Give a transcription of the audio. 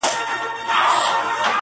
يوه بوډا په ساندو، ساندو ژړل؛